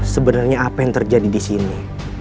sebenarnya apa yang terjadi di sini